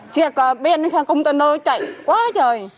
xe bèn xe công tân đô chạy quá trời